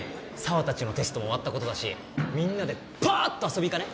羽達のテストも終わったことだしみんなでパーッと遊び行かね？